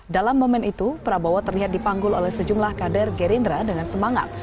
dalam momen itu prabowo terlihat dipanggul oleh sejumlah kader gerindra dengan semangat